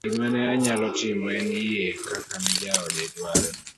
gima ne onyalo timo en yie kaka ne jaode dwaro